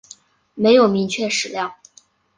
没有明确史料